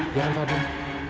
iya kan fadil